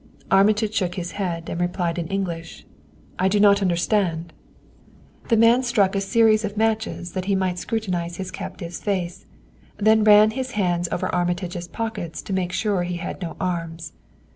Armitage shook his head; and replied in English: "I do not understand." The man struck a series of matches that he might scrutinize his captive's face, then ran his hands over Armitage's pockets to make sure he had no arms.